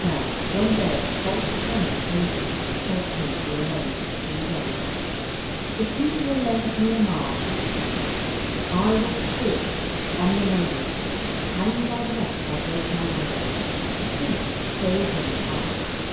Now one day a false canon came to him and begged him for a loan for three days. " If you will lend me a mark," he said, " I will pay it on the mo ment. Hang me by the neck if I break my word." The priest gave him the mark.